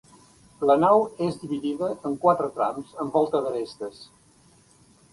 La nau és dividida en quatre trams amb volta d'arestes.